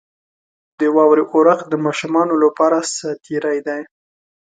• د واورې اورښت د ماشومانو لپاره ساتیري ده.